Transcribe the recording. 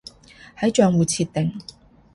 係賬戶設定